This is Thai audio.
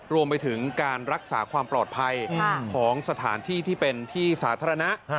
รวมไปถึงการรักษาความปลอดภัยของสถานที่ที่เป็นที่สาธารณะ